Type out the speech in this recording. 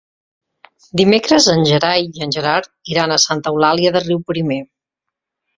Dimecres en Gerai i en Gerard iran a Santa Eulàlia de Riuprimer.